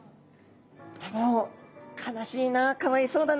でも悲しいなかわいそうだな